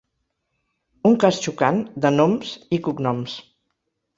Un cas xocant de gnoms i cognoms.